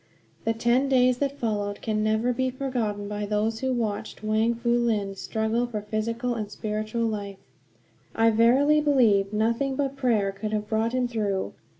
The ten days that followed can never be forgotten by those who watched Wang Fu Lin struggle for physical and spiritual life. I verily believe nothing but prayer could have brought him through.